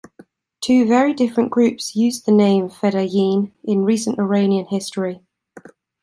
Two very different groups used the name Fedayeen in recent Iranian history.